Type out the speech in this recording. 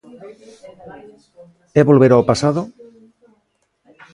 ¿É volver ao pasado?